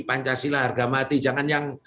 pancasila harga mati jangan yang